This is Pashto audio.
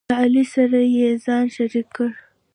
له علي سره یې ځان شریک کړ،